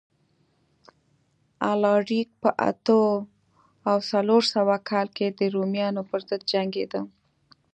الاریک په اتو او څلور سوه کال کې د رومیانو پرضد جنګېده